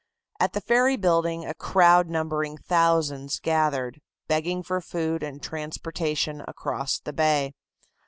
At the ferry building a crowd numbering thousands gathered, begging for food and transportation across the bay.